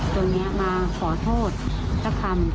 ตรงนี้มาขอโทษสักคำ